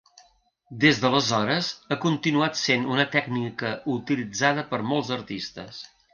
Des d'aleshores ha continuat sent una tècnica utilitzada per molts artistes.